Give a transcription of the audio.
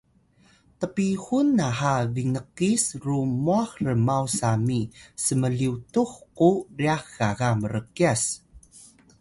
tpihun naha binkis ru mwah rmaw sami sm’lyutux ku ryax gaga mrkyas